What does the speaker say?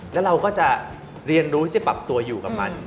แล้วเราก็จะเรียนรู้ที่จะปรับตัวอยู่กับมัน